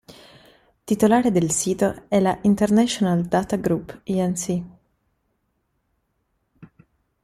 Titolare del sito è la "International Data Group, Inc.